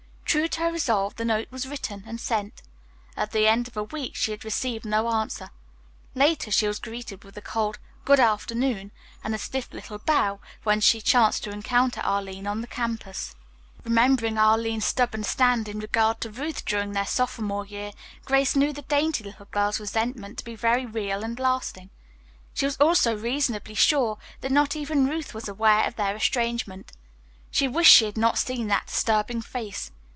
True to her resolve, the note was written and sent. At the end of a week she had received no answer. Later she was greeted with a cold "good afternoon" and a stiff little bow when she chanced to encounter Arline on the campus. Remembering Arline's stubborn stand in regard to Ruth during their sophomore year, Grace knew the dainty little girl's resentment to be very real and lasting. She was also reasonably sure that not even Ruth was aware of their estrangement. She wished she had not seen that disturbing face.